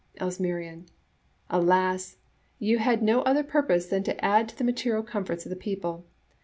Elstnerian, — "Alas! you had no other purpose than to add to the material comforts of the people.